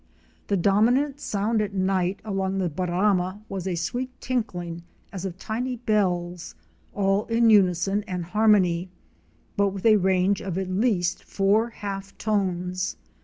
The dominant sound at night along the Barama was a sweet tinkling as of tiny bells, all in unison and har 'mony, but with a range of at least four half tones.